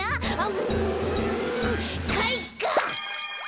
うんかいか！